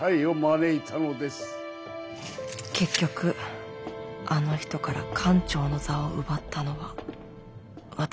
結局あの人から艦長の座を奪ったのは私。